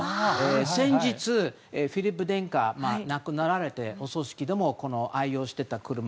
先日、フィリップ殿下亡くなられてお葬式でも、愛用していた車。